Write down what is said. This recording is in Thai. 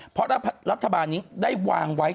เพราะรัฐบาลนี้ได้วางไว้